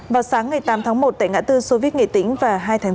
vào sáng ngày tám tháng một tại ngã tư soviet nghệ tĩnh vào hai tháng chín